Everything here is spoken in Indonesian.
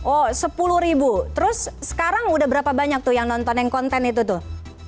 oh sepuluh ribu terus sekarang udah berapa banyak tuh yang nonton yang konten itu tuh